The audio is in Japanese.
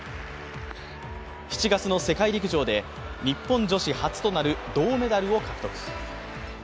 ７月の世界陸上で日本女子初となる銅メダルを獲得。